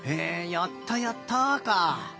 「やったやった」か。